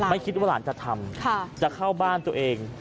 ไม่คิดว่าหลานจะทำจะเข้าบ้านตัวเอง